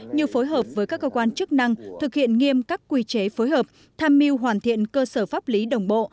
như phối hợp với các cơ quan chức năng thực hiện nghiêm các quy chế phối hợp tham mưu hoàn thiện cơ sở pháp lý đồng bộ